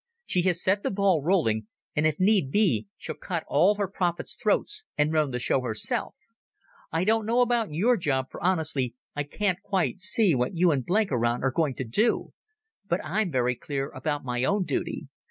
She has set the ball rolling, and if need be she'll cut all her prophets' throats and run the show herself ... I don't know about your job, for honestly I can't quite see what you and Blenkiron are going to do. But I'm very clear about my own duty.